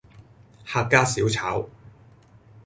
客家小炒